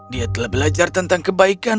dia telah belajar tentang kebaikan